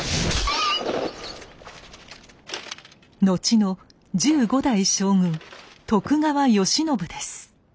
後の十五代将軍徳川慶喜です。